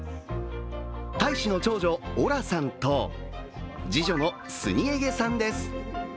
大使の長女・オラさんと次女のスニエゲさんです。